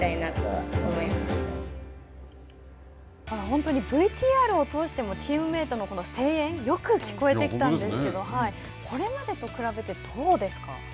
本当にＶＴＲを通しても、チームメートの声援よく聞こえてきたんですけど、これまでと比べて、どうですか。